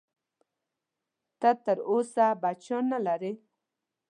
ته تر اوسه بچیان نه لرې؟